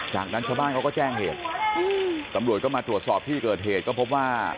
จากนั้นชาวบ้านเขาก็แจ้งเหตุตำรวจก็มาตรวจสอบที่เกิดเหตุก็พบว่า